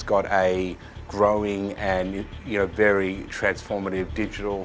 kedudukan sektor digital yang berkembang dan sangat berubah